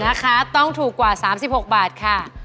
นะคะต้องถูกกว่า๓๖บาทค่ะ